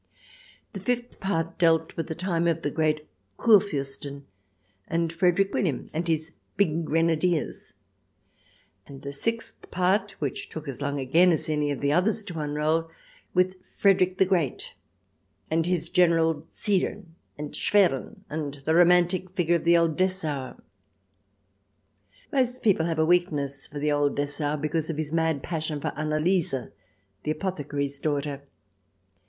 CH. xx] TRIER 291 The fifth part dealt with the time of the great KurfUrsten and Frederick William and his big grenadiers ; and the sixth part, which took as long again as any of the others to unroll, with Frederick the Great and his Generals, Ziethen, Schwerin, and the romantic figure of the Old Dessauer. Most people have a weakness for the Old Dessauer because of his mad passion for Anna Lise, the apothecary's daughter.